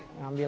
gak ada kambil